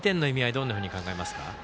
どんなふうに考えますか？